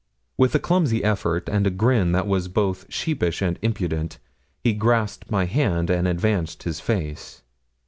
With a clumsy effort, and a grin that was both sheepish and impudent, he grasped my hand and advanced his face.